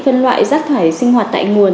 phân loại rác thải sinh hoạt tại nguồn